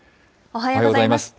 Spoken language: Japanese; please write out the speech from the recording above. おはようございます。